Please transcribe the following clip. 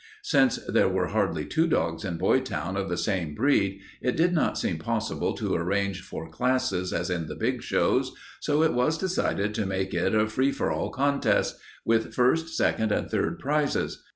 Since there were hardly two dogs in Boytown of the same breed, it did not seem possible to arrange for classes as in the big shows, so it was decided to make it a free for all contest, with first, second, and third prizes.